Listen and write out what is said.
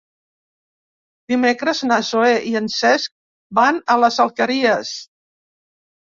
Dimecres na Zoè i en Cesc van a les Alqueries.